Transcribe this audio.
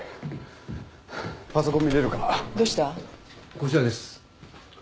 こちらです。